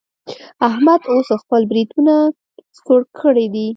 احمد اوس خپل برېتونه څوړ کړي دي.